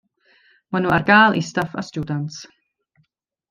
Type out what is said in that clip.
Mae nhw ar gael i staff a stiwdants.